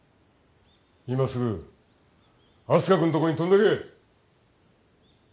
今すぐあす花君のとこに飛んでけ！